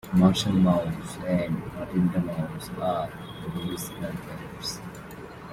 Marshal Mouse and Matilda Mouse are Minnie's grandparents.